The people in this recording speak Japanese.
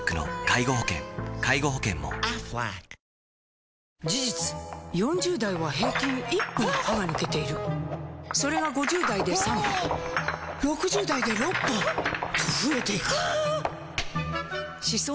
この後事実４０代は平均１本歯が抜けているそれが５０代で３本６０代で６本と増えていく歯槽